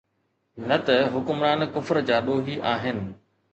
نه ته حڪمران ڪفر جا ڏوهي آهن.